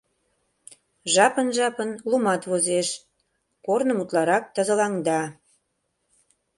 Жапын-жапын лумат возеш, корным утларак тазылаҥда.